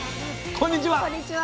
こんにちは。